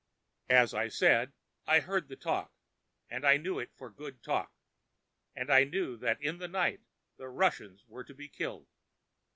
As I say, I heard the talk, and I knew it for good talk, and I knew that in the night the Russians were to be killed.